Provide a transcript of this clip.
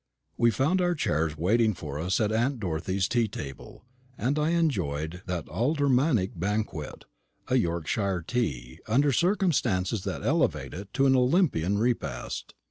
We found our chairs waiting for us at aunt Dorothy's tea table; and I enjoyed that aldermanic banquet, a Yorkshire tea, under circumstances that elevated it to an Olympian repast.